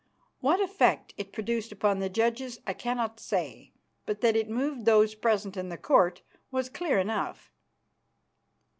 What effect it produced upon the judges, I cannot say, but that it moved those present in the Court was clear enough.